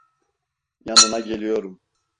Yanına geliyorum.